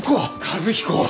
和彦！